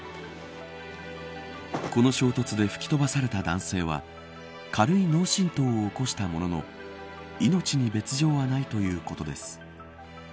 この衝突で吹き飛ばされた男性は軽い脳しんとうを起こしたものの命に別条はないということです。